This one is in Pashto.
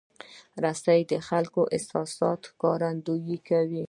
رسنۍ د خلکو د احساساتو ښکارندویي کوي.